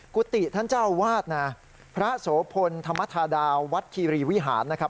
กุฏิท่านเจ้าวาดนะพระโสพลธรรมธาดาววัดคีรีวิหารนะครับ